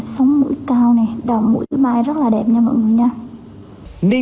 sống mũi cao nè đào mũi mái rất là đẹp nha mọi người nha